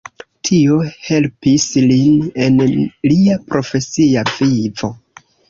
Tio helpis lin en lia profesia vivo.